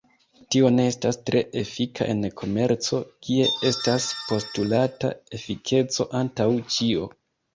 Tio ne estas tre efika en komerco, kie estas postulata efikeco antaŭ ĉio.